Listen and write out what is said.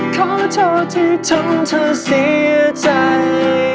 ขอโทษที่ทำเธอเสียใจ